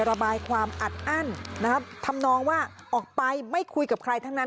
ระบายความอัดอั้นนะครับทำนองว่าออกไปไม่คุยกับใครทั้งนั้น